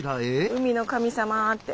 「海の神様」って。